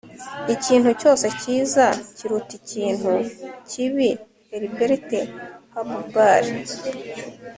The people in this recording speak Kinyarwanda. ikintu cyose cyiza kiruta ikintu kibi. - elbert hubbard